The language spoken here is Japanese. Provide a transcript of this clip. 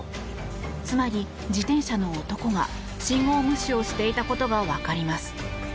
つまり自転車の男が信号無視をしていたことが分かります。